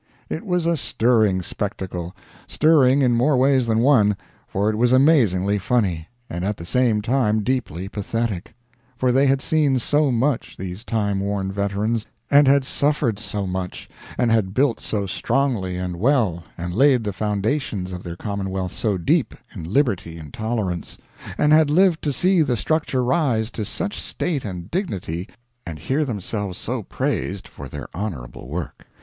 It was a stirring spectacle; stirring in more ways than one, for it was amazingly funny, and at the same time deeply pathetic; for they had seen so much, these time worn veterans, and had suffered so much; and had built so strongly and well, and laid the foundations of their commonwealth so deep, in liberty and tolerance; and had lived to see the structure rise to such state and dignity and hear themselves so praised for their honorable work.